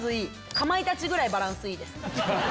かまいたちぐらいバランスいい。